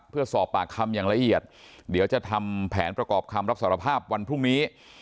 เพื่อสอบปากคำอย่างละเอียดเดี๋ยวจะทำแผนประกอบคำรับสารภาพวันพรุ่งนี้